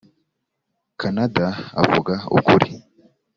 kanada avuga ukuri